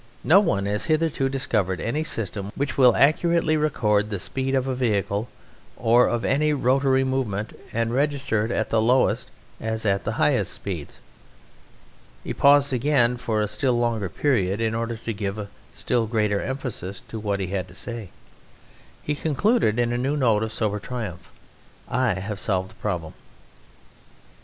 "No one has hitherto discovered any system which will accurately record the speed of a vehicle or of any rotary movement and register it at the lowest as at the highest speeds." He paused again for a still longer period in order to give still greater emphasis to what he had to say. He concluded in a new note of sober triumph: "I have solved the problem!"